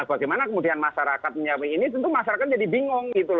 bagaimana kemudian masyarakat menyiapkan ini tentu masyarakat jadi bingung gitu loh